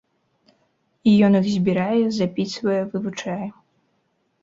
І ён іх збірае, запісвае, вывучае.